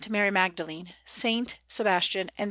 Mary Magdalene, S. Sebastian, and S.